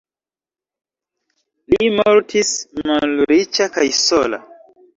Li mortis malriĉa kaj sola.